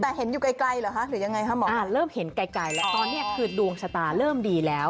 แต่เห็นอยู่ไกลเหรอคะหรือยังไงคะหมอเริ่มเห็นไกลแล้วตอนนี้คือดวงชะตาเริ่มดีแล้ว